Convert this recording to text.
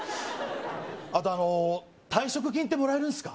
あとあの退職金ってもらえるんすか？